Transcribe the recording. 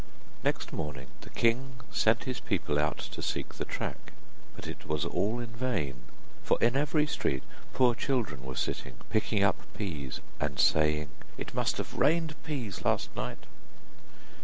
Next morning the king sent his people out to seek the track, but it was all in vain, for in every street poor children were sitting, picking up peas, and saying: 'It must have rained peas, last night.